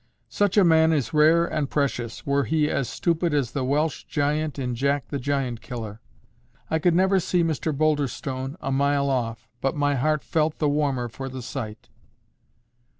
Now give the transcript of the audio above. Such a man is rare and precious, were he as stupid as the Welsh giant in "Jack the Giant Killer." I could never see Mr Boulderstone a mile off, but my heart felt the warmer for the sight.